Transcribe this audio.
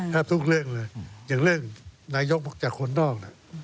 ทุกเรื่องเลยอย่างเรื่องนายกจากคนนอกน่ะ